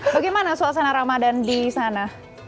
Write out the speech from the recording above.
bagaimana suasana ramadan di sana